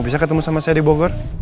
bisa ketemu sama saya di bogor